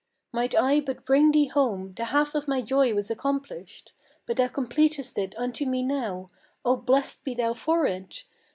Might I but bring thee home, the half of my joy was accomplished. But thou completest it unto me now; oh, blest be thou for it!"